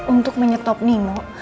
untuk menyetop nino